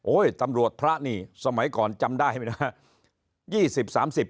ตำรวจพระนี่สมัยก่อนจำได้ไหมนะครับ